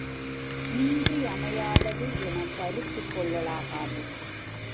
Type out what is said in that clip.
இன்றியமையாதது எனக் கருத்து கொள்ளலாகாது.